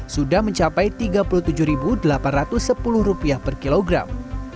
sudah mencapai rp tiga puluh tujuh delapan ratus sepuluh per kilogram